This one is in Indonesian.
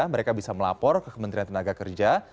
mereka bisa melapor ke kementerian tenaga kerja